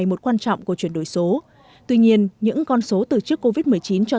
mà ta chuyển đổi số nó như thế nào